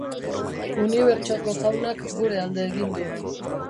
Unibertsoko Jaunak gure alde egin du.